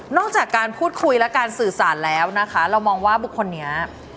จากการพูดคุยและการสื่อสารแล้วนะคะเรามองว่าบุคคลนี้